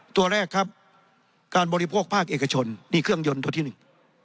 ตัวแรกครับการบริโภคภาคเอกชนนี่เครื่องยนต์ตัวที่หนึ่ง